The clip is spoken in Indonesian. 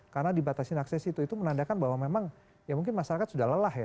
karena dibatasi akses itu itu menandakan bahwa memang ya mungkin masyarakat sudah lelah ya